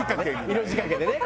色仕掛けでね。